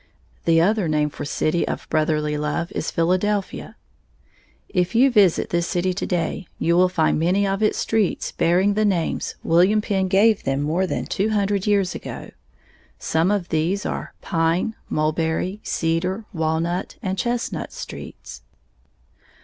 The other name for city of brotherly love is Philadelphia. If you visit this city to day, you will find many of its streets bearing the names William Penn gave them more than two hundred years ago. Some of these are Pine, Mulberry, Cedar, Walnut, and Chestnut streets.